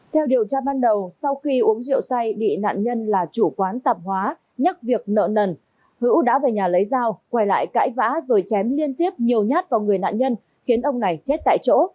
theo điều tra ban đầu sau khi uống rượu say bị nạn nhân là chủ quán tạp hóa nhắc việc nợ nần hữu đã về nhà lấy dao quay lại cãi vã rồi chém liên tiếp nhiều nhát vào người nạn nhân khiến ông này chết tại chỗ